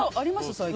最近。